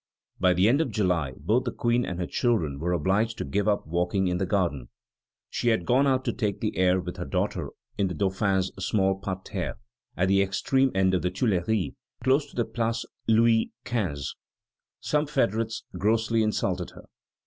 By the end of July, both the Queen and her children were obliged to give up walking in the garden. She had gone out to take the air with her daughter in the Dauphin's small parterre at the extreme end of the Tuileries, close to the Place Louis XV. Some federates grossly insulted her.